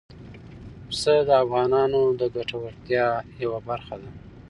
پسه د افغانانو د ګټورتیا یوه برخه ده.